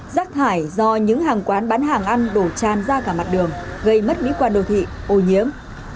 rác thải do những hàng quán bán hàng ăn đổ tràn ra cả mặt đường gây mất mỹ quan đô thị ô nhiễm